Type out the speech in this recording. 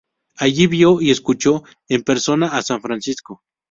Allí vio y escuchó en persona a san Francisco.